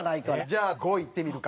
じゃあ５位いってみるか。